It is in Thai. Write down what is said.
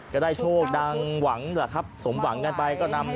ก็ได้โชคดังหวังแหละครับสมหวังกันไปก็นำ